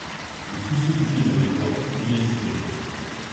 Le trousseau de clefs dans les doigts, il hésitait.